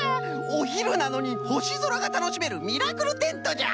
おひるなのにほしぞらがたのしめるミラクルテントじゃ！